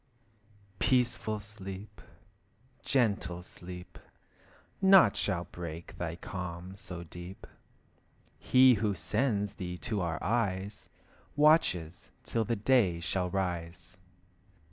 Peaceful sleep, gentle sleep, Naught shall break thy calm so deep. He who sends thee to our eyes, Watches till the day shall rise.